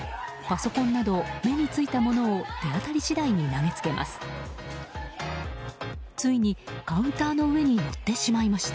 パソコンなど、目についたものを手当たり次第に投げつけます。